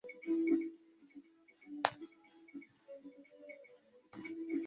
He is buried at Arlington National Cemetery with his wife Alice.